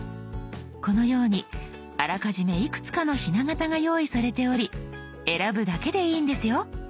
このようにあらかじめいくつかのひな型が用意されており選ぶだけでいいんですよ。